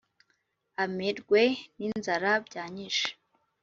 amerwe n’inzara byanyishe,